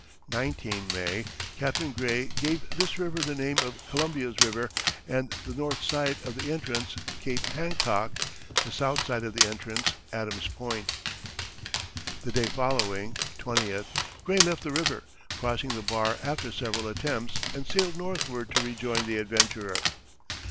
"19 (May). ... Capt. Gray gave this river the name of Columbia's river, and the north side of the entrance Cape Hancock, the south side of the entrance, Adams Point." The day following (20th) Gray left the river, crossing the bar after several attempts, and sailed northward to rejoin the Adventurer.